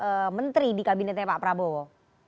sebagai menteri di kabinetnya pak prabowo